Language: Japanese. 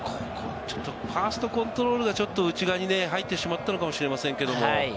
ファーストコントロールが内側に入ってしまったのかもしれませんけれども。